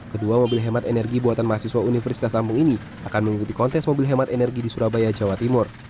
kedua mobil hemat energi buatan mahasiswa universitas lampung ini akan mengikuti kontes mobil hemat energi di surabaya jawa timur